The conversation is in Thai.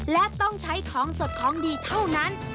และต้องใช้ของสดของดีเท่านั้น